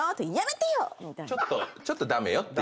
ちょっと駄目よっていう。